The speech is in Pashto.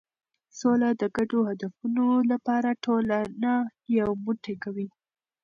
سوله د ګډو هدفونو لپاره ټولنه یو موټی کوي.